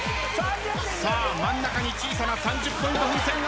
真ん中に小さな３０ポイント風船がある。